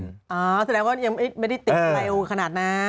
แสดงว่ายังไม่ได้ติดอะไรขนาดนั้น